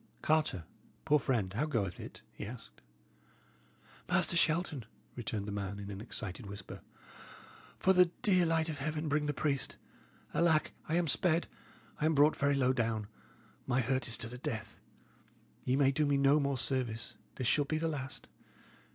"Carter, poor friend, how goeth it?" he asked. "Master Shelton," returned the man, in an excited whisper, "for the dear light of heaven, bring the priest. Alack, I am sped; I am brought very low down; my hurt is to the death. Ye may do me no more service; this shall be the last.